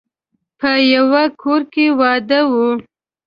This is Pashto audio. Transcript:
په يوه کور کې واده و.